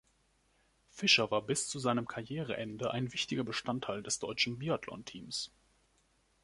Fischer war bis zu seinem Karriereende ein wichtiger Bestandteil des deutschen Biathlon-Teams.